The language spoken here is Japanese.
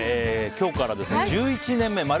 今日から１１年目。